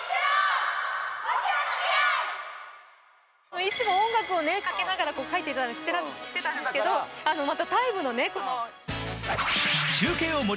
いつも音楽をかけながら書いてたりしてたんですがまた「ＴＩＭＥ，」のね、この。